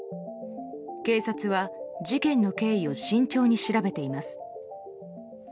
警察は事件の経緯を慎重に調べています。